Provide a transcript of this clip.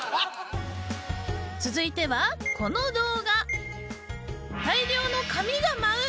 続いてはこの動画。